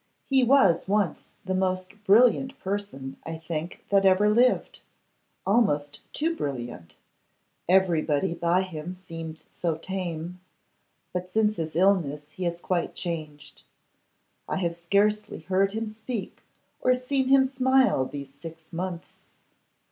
'He was once the most brilliant person, I think, that ever lived: almost too brilliant; everybody by him seemed so tame. But since his illness he has quite changed. I have scarcely heard him speak or seen him smile these six months.